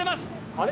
・あれ？